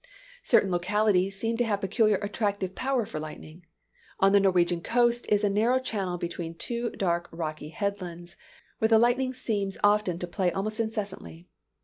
Certain localities seem to have peculiar attractive power for lightning. On the Norwegian coast is a narrow channel between two dark rocky headlands, where the lightning seems often to play almost incessantly.